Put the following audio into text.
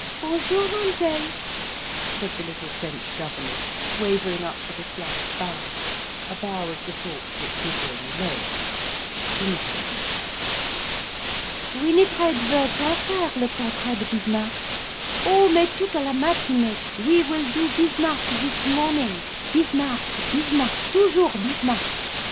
"Bonjour, Mademoiselle," said the little French governess, wavering up with a slight bow, a bow of the sort that Gudrun loathed, insolent. "_Winifred veut tant faire le portrait de Bismarck—! Oh, mais toute la matiné_e—'We will do Bismarck this morning!'—_Bismarck, Bismarck, toujours Bismarck!